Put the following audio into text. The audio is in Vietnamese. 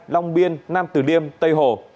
long biên nam tử liêm tây hồ